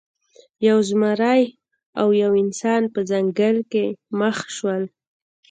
یو زمری او یو انسان په ځنګل کې مخ شول.